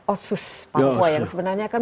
otsus papua yang sebenarnya kan